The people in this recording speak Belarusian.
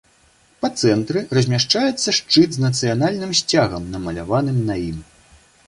Па цэнтры размяшчаецца шчыт з нацыянальным сцягам, намаляваным на ім.